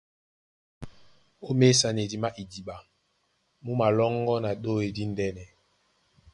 Ó měsanedi má idiɓa. Mú malɔ́ŋgɔ́ na ɗôy díndɛ̄nɛ.